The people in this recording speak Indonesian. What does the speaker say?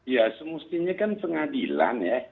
ya semestinya kan pengadilan ya